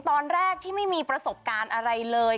ตอนแรกที่ไม่มีประสบการณ์อะไรเลย